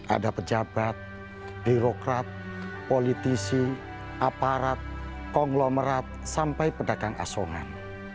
ada pejabat birokrat politisi aparat konglomerat sampai pedagang asongan